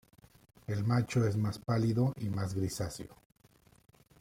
El macho es más pálido y más grisáceo.